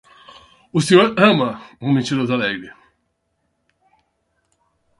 O Senhor ama um mentiroso alegre.